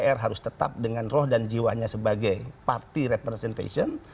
dpr harus tetap dengan roh dan jiwanya sebagai party representation